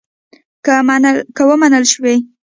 که ومنل شوې.